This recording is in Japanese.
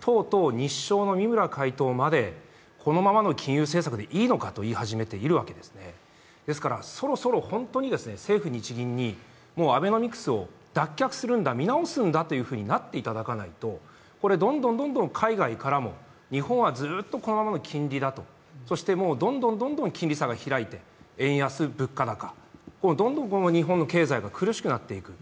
とうとう日商の三村会頭まで、このままの金融政策でいいのかと言い始めているわけですですからそろそろ本当に政府日銀に、アベノミクスを脱却するんだ、見直すんだとなっていただかないと、どんどん海外からも日本はずっとこのままの金利だと、そしてもうどんどんどんどん金利差が開いて円安物価高、どんどん日本の経済が苦しくなっていく。